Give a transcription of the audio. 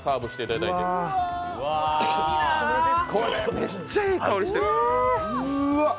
めっちゃいい香りしてる。